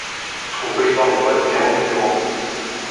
On peut y voir des toiles de Carolus-Duran.